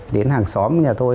đến hàng xóm nhà tôi